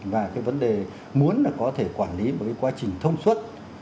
và cái vấn đề muốn là có thể quản lý một cái quá trình thông suốt